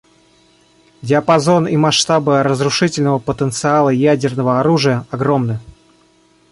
Диапазон и масштабы разрушительного потенциала ядерного оружия огромны.